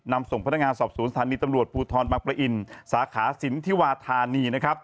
นำส่งพรรลงงานสอบสูรสถานีตำรวจภูทรบริประอินค์สาขาศิลป์ธิวาธานี